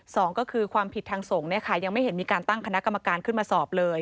สองก็คือความผิดทางสงฆ์เนี่ยค่ะยังไม่เห็นมีการตั้งคณะกรรมการขึ้นมาสอบเลย